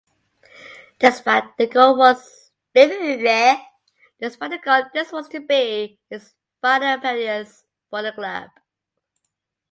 Despite the goal this was to be his final appearance for the club.